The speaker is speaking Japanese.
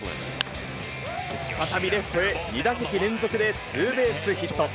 再びレフトへ、２打席連続でツーベースヒット。